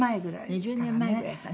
２０年前ぐらいから。